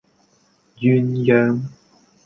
鴛鴦